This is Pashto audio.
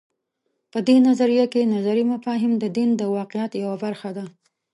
په دې نظریه کې نظري مفاهیم د دین د واقعیت یوه برخه ده.